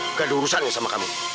nggak ada urusannya sama kami